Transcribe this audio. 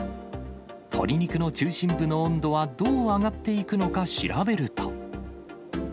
鶏肉の中心部の温度はどう上がっていくのか調べると。